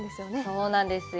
そうなんですよ。